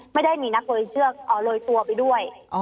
ไม่ได้มีนักโรยเชือกโรยตัวไปด้วย